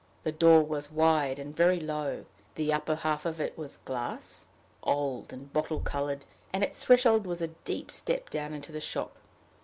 The door was wide and very low, the upper half of it of glass old, and bottle colored; and its threshold was a deep step down into the shop.